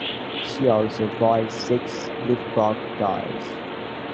She also voiced six Leapfrog toys.